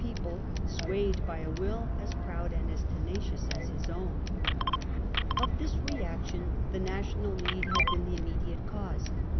2 1 1 people swayed by a will as proud and as tenacious as his own. ^ Of this reaction the national need had been the im mediate cause.